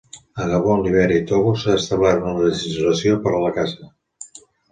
Al Gabon, Libèria i Togo, s'ha establert una legislació per a la caça.